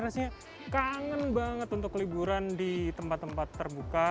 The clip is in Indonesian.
rasanya kangen banget untuk liburan di tempat tempat terbuka